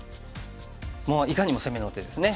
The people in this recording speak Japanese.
もういかにも攻めの手ですね。